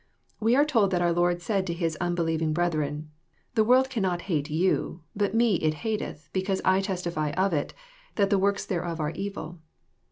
We are told that our Lord said to His unbelieving brethren " The world cannot hate you ; but me it hateth, because I testify of it, that the works thereof are evil.